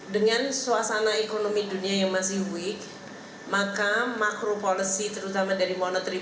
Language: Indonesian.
dengan suasana ekonomi dunia yang masih weak maka macro policy terutama dari monetary policy